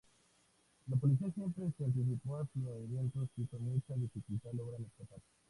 La policía siempre se anticipa a sus movimientos y con mucha dificultad logran escapar.